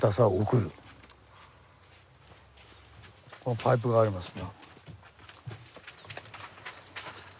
パイプがありますね。